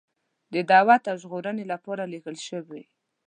د دعوت او ژغورنې لپاره لېږل شوی.